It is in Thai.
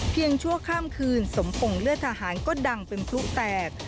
ชั่วข้ามคืนสมพงษ์เลือดทหารก็ดังเป็นพลุแตก